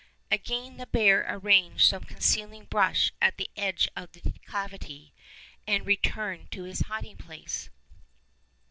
Again the bear arranged some concealing brush at the edge of the declivity, and re turned to his hiding place.